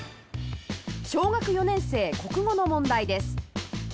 小学４年生国語の問題です。